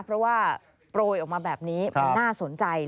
เพราะว่าปล่อยออกมาแบบนี้น่าสนใจ